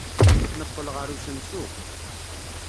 Neqqel ɣer usensu.